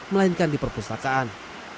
melainkan di perpustakaan